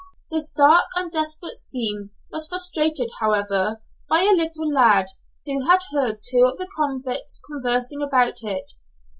This dark and desperate scheme was frustrated, however, by a little lad, who had heard two of the convicts conversing about it.